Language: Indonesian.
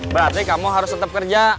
berarti kamu harus tetap kerja